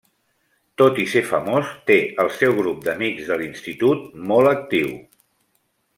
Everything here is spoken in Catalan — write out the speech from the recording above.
Tot i ser famós té el seu grup d'amics de l'institut molt actiu.